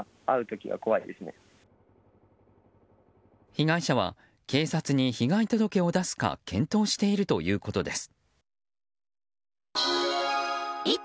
被害者は警察に被害届を出すか検討しているということです。